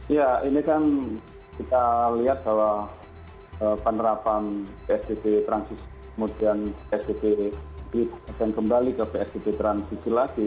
ya ini kan kita lihat bahwa penerapan psbb transisi kemudian psbb dan kembali ke psbb transisi lagi